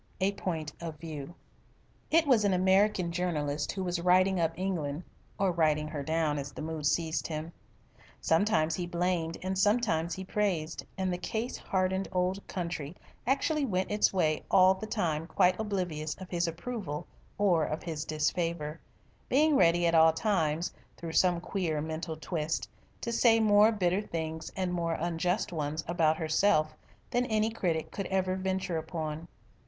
A POINT OF VIEW It was an American journalist who was writing up England or writing her down as the mood seized him. Sometimes he blamed and sometimes he praised, and the case hardened old country actually went its way all the time quite oblivious of his approval or of his disfavour being ready at all times, through some queer mental twist, to say more bitter things and more unjust ones about herself than any critic could ever venture upon.